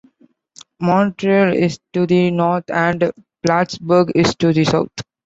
Montreal is to the north, and Plattsburgh is to the south.